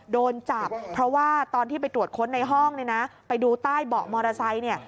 โดนจับเพราะว่าตอนที่ไปตรวจค้นในห้องไปดูใต้เบาะมอเตอร์ไซค์